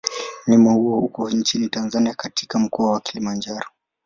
Mlima huo uko nchini Tanzania katika Mkoa wa Kilimanjaro.